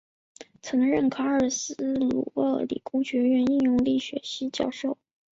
曾任卡尔斯鲁厄理工学院应用力学系教授。